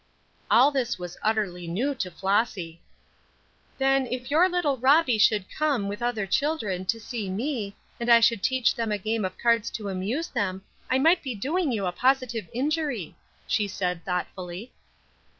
All this was utterly new to Flossy. "Then, if your little Robbie should come, with other children, to see me, and I should teach them a game of cards to amuse them, I might be doing you a positive injury," she said, thoughtfully.